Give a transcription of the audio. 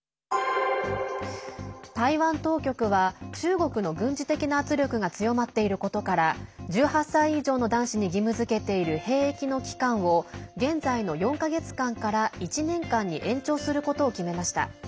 台湾当局は中国の軍事的な圧力が強まっていることから１８歳以上の男子に義務づけている兵役の期間を現在の４か月間から１年間に延長することを決めました。